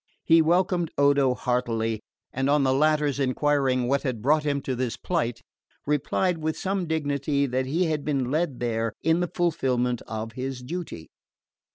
He welcomed Odo heartily, and on the latter's enquiring what had brought him to this plight, replied with some dignity that he had been led there in the fulfilment of his duty.